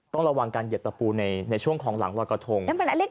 ต้องระวังการเหยียบตะปูในช่วงของหลังรอยกระทง